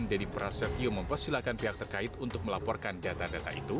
dedy prasetyo mempersilahkan pihak terkait untuk melaporkan data data itu